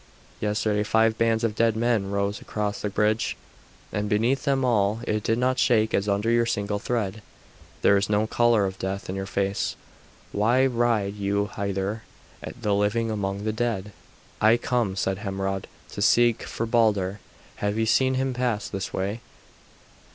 Yesterday five bands of dead men rode across the bridge, and beneath them all it did not shake as under your single tread. There is no colour of death in your face. Why ride you hither, the living among the dead?" "I come," said Hermod, "to seek for Balder. Have you seen him pass this way?"